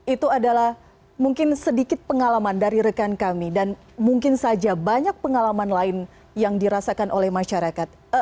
itu adalah mungkin sedikit pengalaman dari rekan kami dan mungkin saja banyak pengalaman lain yang dirasakan oleh masyarakat